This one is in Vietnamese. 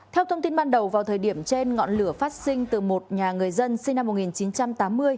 theo thông tin ban đầu vào thời điểm trên ngọn lửa phát sinh từ một nhà người dân sinh năm một nghìn chín trăm tám mươi